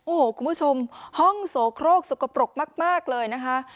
โอ้โหคุณผู้ชมห้องโสโครกสกปรกมากเลยนะคะ